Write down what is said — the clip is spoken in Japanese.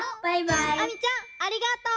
あみちゃんありがとう！